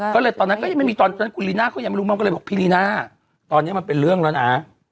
ก็เลยตอนนั้นก็ยังไม่มีตอนนั้นคุณลีน่าเขายังไม่รู้มันก็เลยบอกพี่ลีน่าตอนนี้มันเป็นเรื่องแล้วนะ